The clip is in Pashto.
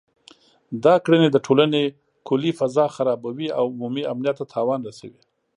دا کړنې د ټولنې کلي فضا خرابوي او عمومي امنیت ته تاوان رسوي